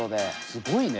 すごいね。